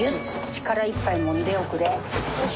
力いっぱいもんでおくれ。